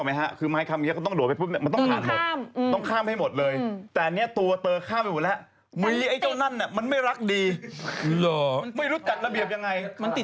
เพราะช้างน้อยไปฟาดกับไอ้คานนี้